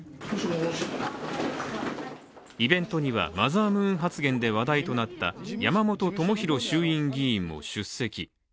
イベントにはマザームーン発言で話題となった山本朋広衆院議員も出席。